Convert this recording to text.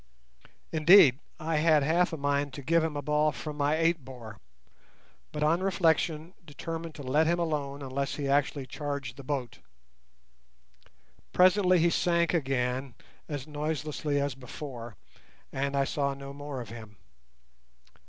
Indeed, I had half a mind to give him a ball from my eight bore, but on reflection determined to let him alone unless he actually charged the boat. Presently he sank again as noiselessly as before, and I saw no more of him.